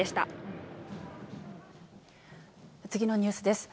次のニュースです。